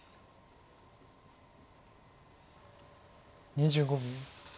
２５秒。